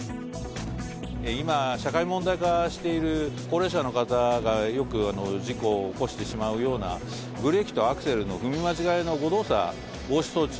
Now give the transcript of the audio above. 今、社会問題化している高齢者の方がよく事故を起こしてしまうような、ブレーキとアクセルの踏み間違いの誤動作防止装置。